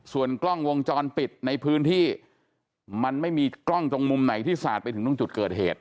ส่วนกล้องวงจรปิดในพื้นที่มันไม่มีกล้องตรงมุมไหนที่สาดไปถึงตรงจุดเกิดเหตุ